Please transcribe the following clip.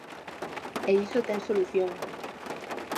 E iso ten solución.